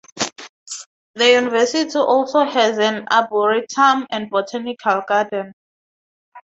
The University also has an Arboretum and Botanical Garden.